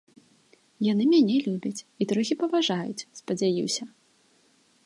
Яны мяне любяць, і трохі паважаюць, спадзяюся.